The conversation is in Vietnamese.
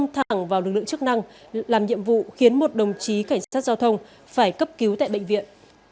thẳng vào lực lượng chức năng làm nhiệm vụ khiến một đồng chí cảnh sát giao thông phải cấp cứu tại bệnh viện